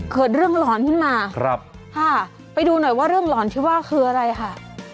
เกิดเรื่องหลอนขึ้นมาครับค่ะไปดูหน่อยว่าเรื่องหลอนที่ว่าคืออะไรค่ะ